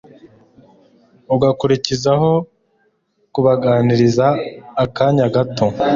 agakurikizaho kubaganiriza akanya gato